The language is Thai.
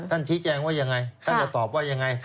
ท่านชี้แจงว่ายังไงค่ะท่านจะตอบว่ายังไงค่ะ